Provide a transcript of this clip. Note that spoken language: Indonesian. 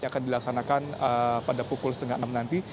yang akan dilaksanakan pada pukul setengah enam nanti